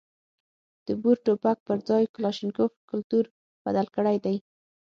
د بور ټوپک پر ځای کلاشینکوف کلتور بدل کړی دی.